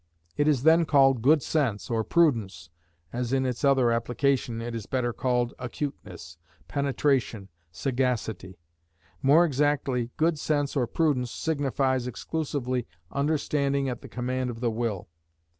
It is then called good sense or prudence, as in its other application it is better called acuteness, penetration, sagacity. More exactly, good sense or prudence signifies exclusively understanding at the command of the will.